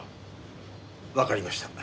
わかりました。